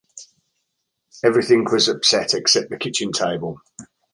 Everything was upset except the kitchen table.